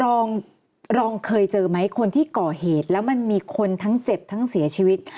รองรองเคยเจอไหมคนที่ก่อเหตุแล้วมันมีคนทั้งเจ็บทั้งเสียชีวิต